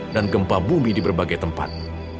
dan gempa bumi di berbagai tempat